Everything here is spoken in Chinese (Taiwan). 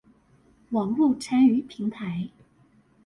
網路參與平台